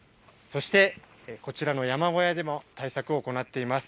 そしてこちらの山小屋でも対策を行っています。